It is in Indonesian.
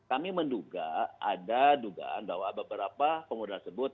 ini menduga ada dugaan bahwa beberapa pemodal tersebut